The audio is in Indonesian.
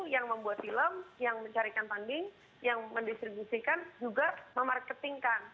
yang membuat film yang mencarikan tanding yang mendistribusikan juga memarketingkan